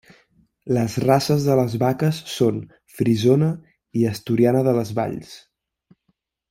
Les races de les vaques són frisona i asturiana de les Valls.